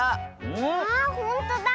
あほんとだ！